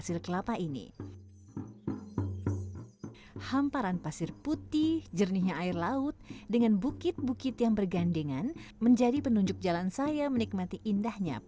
sampai jumpa di video selanjutnya